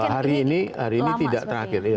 hari ini tidak terakhir